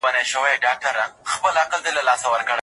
زه غواړم چې د مېوو د صادراتو په اړه نوي معلومات زده کړم.